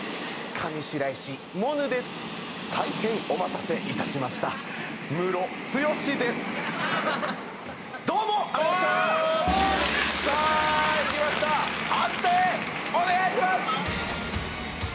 上白石モヌです大変お待たせいたしましたムロツヨシですどうもありがとうございましたさあいきました